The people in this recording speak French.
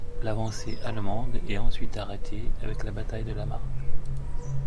L'avancée allemande est ensuite arrêtée avec la bataille de la Marne.